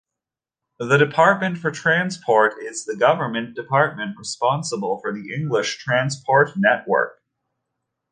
The Department for Transport is the government department responsible for the English transport network.